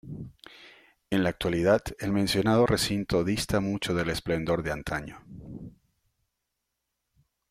En la actualidad el mencionado recinto dista mucho del esplendor de antaño.